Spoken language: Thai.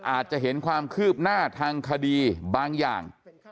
อาจจะเห็นความคืบหน้าทางคดีบางอย่าง